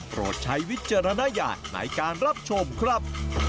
ใช้วิจารณญาณในการรับชมครับ